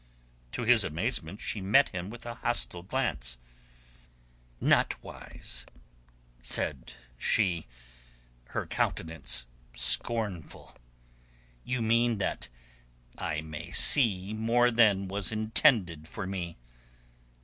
To his amazement she met him with a hostile glance. "Not wise?" said she, her countenance scornful. "You mean that I may see more than was intended for me.